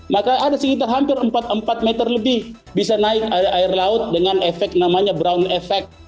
maka ada sekitar hampir empat meter lebih bisa naik air laut dengan efek namanya brown effect